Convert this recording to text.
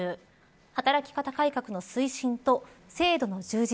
働き方改革の推進と制度の充実。